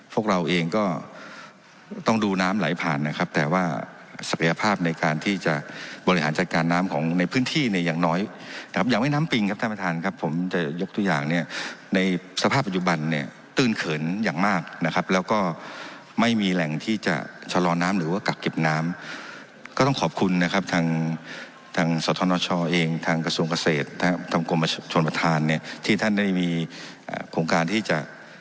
พวกเราเองก็ต้องดูน้ำไหลผ่านนะครับแต่ว่าศักยภาพในการที่จะบริหารจัดการน้ำของในพื้นที่ในอย่างน้อยอยากให้น้ำปิงครับท่านประธานครับผมจะยกทุกอย่างเนี่ยในสภาพปัจจุบันเนี่ยตื่นเขินอย่างมากนะครับแล้วก็ไม่มีแหล่งที่จะชะลอนน้ำหรือว่ากักเก็บน้ำก็ต้องขอบคุณนะครับทางทางสวทธนชอเองทางกระ